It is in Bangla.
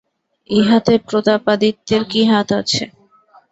ইহাতে প্রতাপাদিত্যের কী হাত আছে।